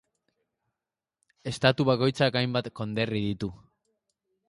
Estatu bakoitzak hainbat konderri ditu.